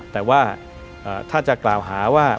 แต่ว่าถ้าจะกล่าวหาว่า